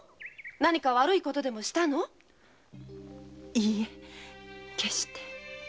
いいえ決して。